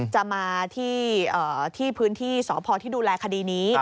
จะมาที่พื้นที่สพที่ดูแลคดีนี้